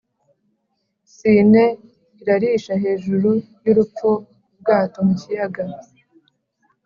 Sine irarisha hejuru y'urupfu-Ubwato mu kiyaga.